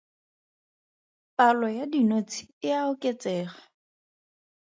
Palo ya dinotshe e a oketsega.